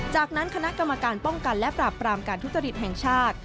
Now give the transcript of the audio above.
จากนั้นคณะกรรมการป้องกันและปราบปรามการทุจริตแห่งชาติ